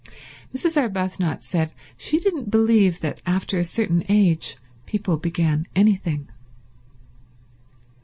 Mrs. Arbuthnot said she didn't believe that after a certain age people began anything.